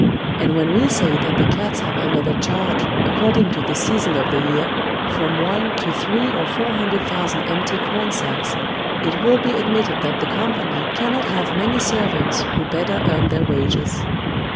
And when we say that the cats have under their charge, according to the season of the year, from one to three or four hundred thousand empty corn sacks, it will be admitted that the company cannot have many servants who better earn their wages.